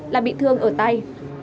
là bị thương ở tay